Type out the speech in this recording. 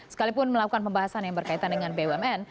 sekalipun melakukan pembahasan yang berkaitan dengan bumn